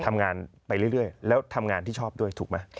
ทำงานไปเรื่อยแล้วทำงานที่ชอบด้วยถูกไหม